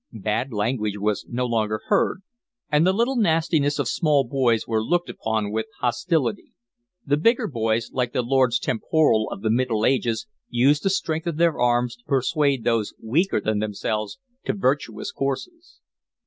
Bad language was no longer heard, and the little nastinesses of small boys were looked upon with hostility; the bigger boys, like the lords temporal of the Middle Ages, used the strength of their arms to persuade those weaker than themselves to virtuous courses.